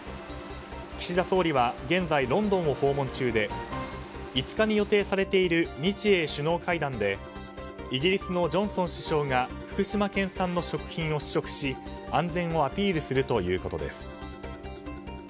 岸田総理は現在、ロンドンを訪問中で５日に予定されている日英首脳会談でイギリスのジョンソン首相が福島県産の食品を試食し安全をアピールするということです。